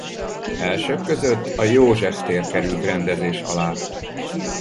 Elsők között a József-tér került rendezés alá.